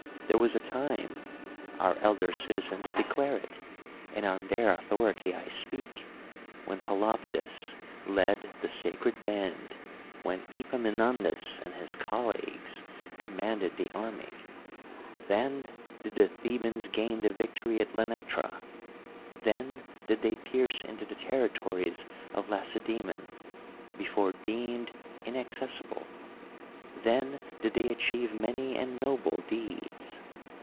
There was a time (our elder citizens declare it, and on their authority I speak) when Pelopidas led the Sacred Band; when Epaminondas and his coUeages command ed the army. Then did the Thebans gain the victory at Leuctra ; then did they pierce into the territories of Laceda.>mon, before deemed inacces sible ; then did they achieve many and noble deeds.